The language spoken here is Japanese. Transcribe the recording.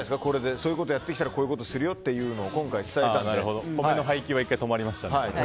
そういうことやってきたらこういうことするよっていうのを米の配給は１回止まりましたので。